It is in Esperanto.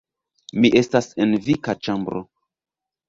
Mi estas en vika ĉambro